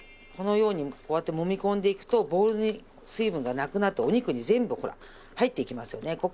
このようにこうやってもみ込んでいくとボウルに水分がなくなってお肉に全部ほら入っていきますよね。